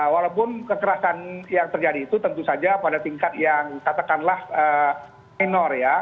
walaupun kekerasan yang terjadi itu tentu saja pada tingkat yang katakanlah minor ya